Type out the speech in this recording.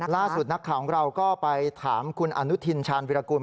ล่าสุดนักข่าวของเราก็ไปถามคุณอนุทินชาญวิรากุล